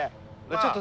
ちょっと。